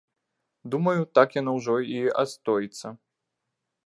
Думаю, так яно ўжо і астоіцца.